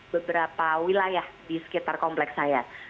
beberapa wilayah di sekitar kompleks saya